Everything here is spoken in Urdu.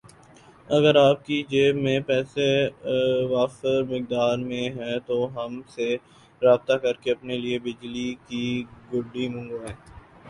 اگر آپ کی جیب میں پیسہ وافر مقدار میں ھے تو ہم سے رابطہ کرکے اپنی لئے بجلی کی گڈی منگوائیں